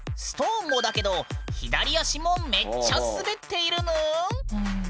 ストーンもだけど左足もめっちゃ滑っているぬん。